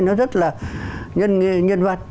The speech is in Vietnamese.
nó rất là nhân vật